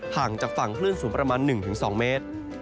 ห่างจากฝั่งคลื่นสูงประมาณ๑๒เมตร